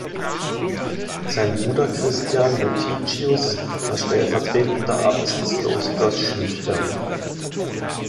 Sein Bruder Christian Lotichius war stellvertretender Abt des Klosters Schlüchtern.